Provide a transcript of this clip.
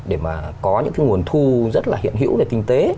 để mà có những cái nguồn thu rất là hiện hữu về kinh tế